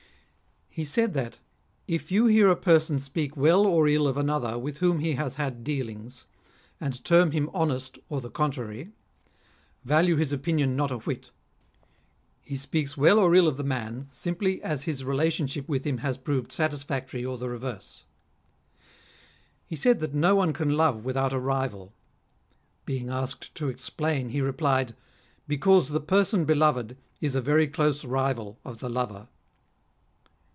He said that " if you hear a person speak well or ill of another with whom he has had dealings, and term him honest or the contrary ; value his opinion not a whit. He speaks well or ill of the man simply as his relation ship with him has proved satisfactory or the reverse." He said that no one can love without a rival. Being asked to explain, he replied :" Because the person beloved is a very close rival of the lover."